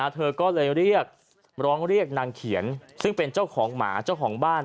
เธอก็เลยเรียกร้องเรียกนางเขียนซึ่งเป็นเจ้าของหมาเจ้าของบ้าน